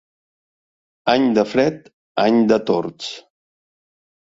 Any de fred, any de tords.